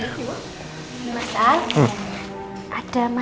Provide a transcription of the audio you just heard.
terima kasih mas